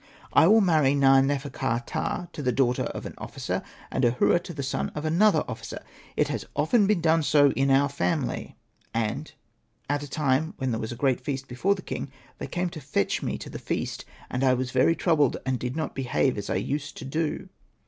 I will marry Na.nefer.ka.ptah to the daughter of an officer, and Ahura to the son of another officer. It has often been done so in our family/ " And at a time when there was a great feast before the king, they came to fetch me to the feast. And I was very troubled, and did not behave as I used to do.